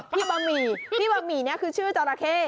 บะหมี่พี่บะหมี่นี้คือชื่อจราเข้